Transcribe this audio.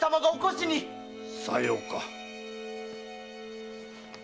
さようか。